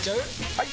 ・はい！